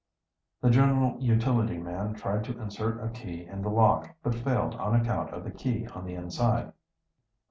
The general utility man tried to insert a key in the lock, but failed on account of the key on the inside.